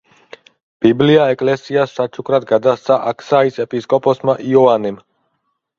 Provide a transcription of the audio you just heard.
ბიბლია ეკლესიას საჩუქრად გადასცა აქსაის ეპისკოპოსმა იოანემ.